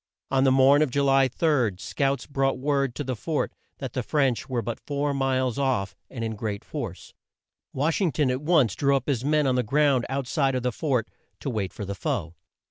On the morn of Ju ly 3, scouts brought word to the fort that the French were but four miles off, and in great force. Wash ing ton at once drew up his men on the ground out side of the fort, to wait for the foe.